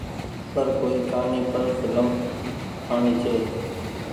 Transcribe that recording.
پر ڪوئي ڪهآني پر ڦلم ٺآڻي ڇي۔